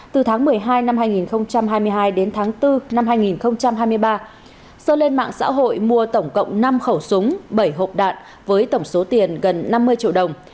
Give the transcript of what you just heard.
từ tháng một mươi hai năm hai nghìn hai mươi hai đến tháng bốn năm hai nghìn hai mươi ba sơn lên mạng xã hội mua tổng cộng năm khẩu súng bảy hộp đạn với tổng số tiền gần năm mươi triệu đồng